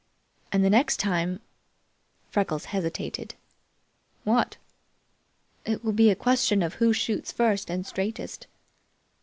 And the next time " Freckles hesitated. "What?" "It will be a question of who shoots first and straightest."